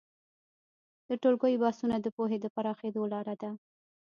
د ټولګیو بحثونه د پوهې د پراخېدو لاره ده.